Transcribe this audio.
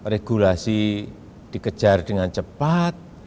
regulasi dikejar dengan cepat